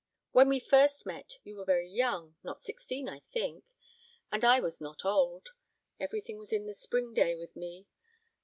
When first we met, you were very young not sixteen, I think and I was not old. Everything was in the spring day with me.